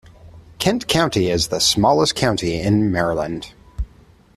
Kent County is the smallest county in Maryland.